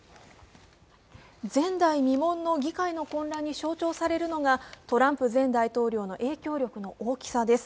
前代未聞の議会の混乱に象徴されるのがトランプ前大統領の影響力の大きさです。